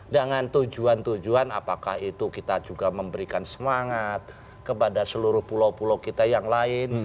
dengan tujuan tujuan apakah itu kita juga memberikan semangat kepada seluruh pulau pulau kita yang lain